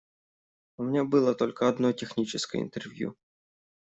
У меня было только одно техническое интервью.